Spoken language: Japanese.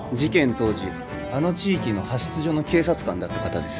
当時あの地域の派出所の警察官だった方です